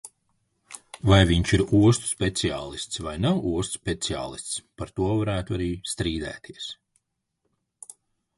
Vai viņš ir ostu speciālists vai nav ostu speciālists, par to varētu arī strīdēties.